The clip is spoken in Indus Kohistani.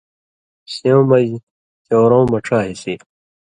سېوں مژ چؤرؤں مہ ڇا حصی